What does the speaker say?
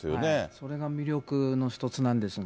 それが魅力の一つなんですが。